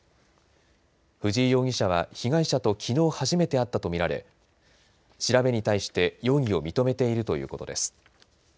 藤井容疑者は被害者ときのう初めて会ったと見られ調べに対して容疑を認めているということです。